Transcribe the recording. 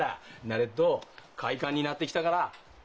慣れっど快感になってきたから。